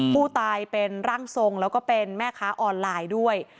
ผู้ตายเป็นร่างทรงแล้วก็เป็นแม่ค้าออนไลน์ด้วย